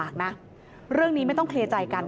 ลาออกจากหัวหน้าพรรคเพื่อไทยอย่างเดียวเนี่ย